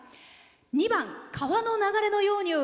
２番「川の流れのように」